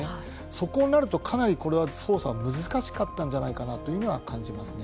そこになるとかなり捜査が難しかったんじゃないかなというのは感じますね。